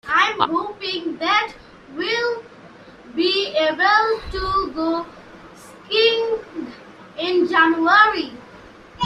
I'm hoping that we'll be able to go skiing in January.